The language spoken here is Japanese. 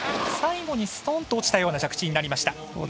最後に、すとんと落ちたような着地になりました。